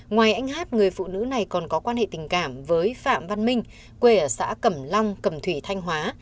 ngoài anh hát người phụ nữ này còn có quan hệ tình cảm với phạm văn minh quê ở xã cẩm long cẩm thủy thanh hóa